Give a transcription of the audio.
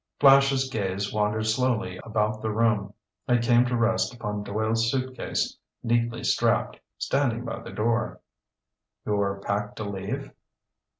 Flash's gaze wandered slowly about the room. It came to rest upon Doyle's suitcase, neatly strapped, standing by the door. "You're packed to leave?"